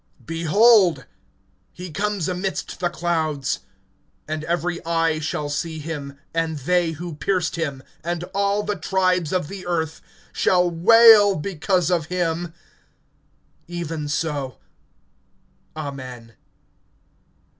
(7)Behold, he comes amidst the clouds; and every eye shall see him, and they who pierced him; and all the tribes of the earth shall wail because of him. Even so, Amen.